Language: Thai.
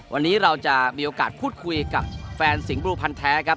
วันนี้เราจะมีโอกาสพูดคุยกับแฟนสิงหลูพันธ์แท้ครับ